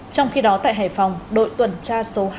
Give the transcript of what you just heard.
trong khi đó tại hải phòng đội tuần tra số hai